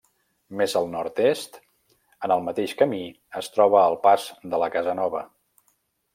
Més al nord-est, en el mateix camí, es troba el Pas de la Casanova.